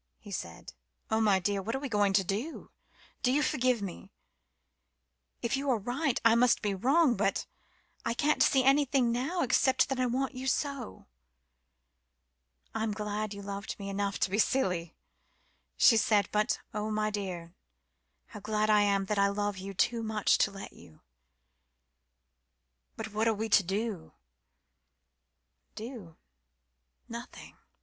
he said. "Oh, my dear what are we to do? Do you forgive me? If you are right, I must be wrong but I can't see anything now except that I want you so." "I'm glad you loved me enough to be silly," she said; "but, oh, my dear, how glad I am that I love you too much to let you." "But what are we to do?" "Do? Nothing.